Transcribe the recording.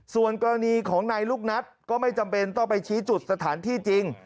ส่วนกรณีของนายลูกนัทก็ไม่จำเป็นต้องไปชี้จุดสถานที่จริง